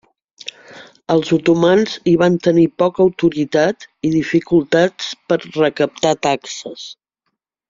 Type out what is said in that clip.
Els otomans hi van tenir poca autoritat i dificultats per recaptar taxes.